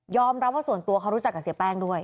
รับว่าส่วนตัวเขารู้จักกับเสียแป้งด้วย